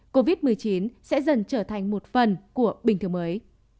covid một mươi chín sẽ dần trở thành một phần của bình thường mới